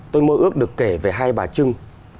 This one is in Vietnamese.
tôi mơ ước được kể về hai bà trưng